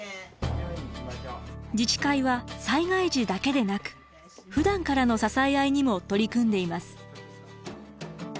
自治会は災害時だけでなくふだんからの支え合いにも取り組んでいます。